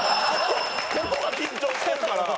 ここが緊張してるから。